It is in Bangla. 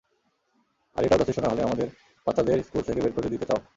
আর এটাও যথেষ্ট না হলে আমাদের বাচ্চাদের স্কুল থেকে বের করে দিতে চাও!